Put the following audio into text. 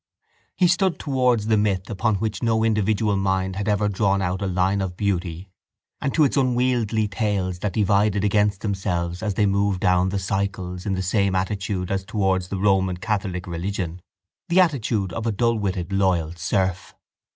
He stood towards the myth upon which no individual mind had ever drawn out a line of beauty and to its unwieldy tales that divided themselves as they moved down the cycles in the same attitude as towards the Roman catholic religion, the attitude of a dullwitted loyal serf.